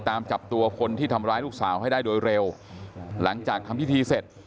ตามจับตัวคนที่ทำร้ายลูกสาวให้ได้โดยเร็วหลังจากทำพิธีเสร็จ